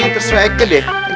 terserah eke deh